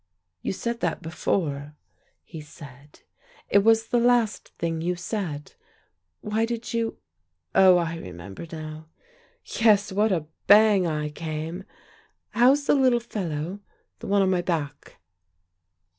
"You said that before," he said. "It was the last thing you said. Why did you oh, I remember now. Yes, what a bang I came! How's the little fellow, the one on my back?"